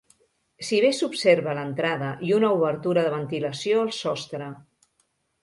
Si bé s'observa l'entrada i una obertura de ventilació al sostre.